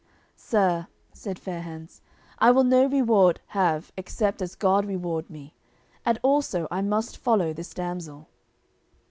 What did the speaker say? "Sir," said Fair hands, "I will no reward have except as God reward me. And also I must follow this damsel."